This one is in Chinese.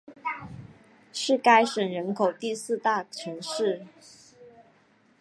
是该省人口第四大城市。